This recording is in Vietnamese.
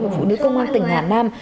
và phụ nữ công an tỉnh hà nam